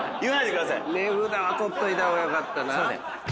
値札は取っといた方がよかったな。